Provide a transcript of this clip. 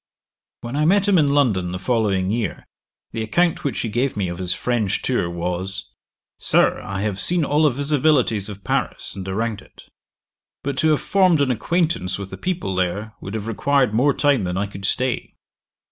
When I met him in London the following year, the account which he gave me of his French tour, was, 'Sir, I have seen all the visibilities of Paris, and around it; but to have formed an acquaintance with the people there, would have required more time than I could stay.